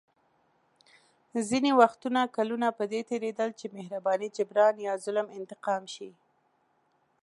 ځینې وختونه کلونه په دې تېرېدل چې مهرباني جبران یا ظلم انتقام شي.